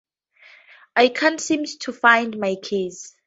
I can't seem to find my keys.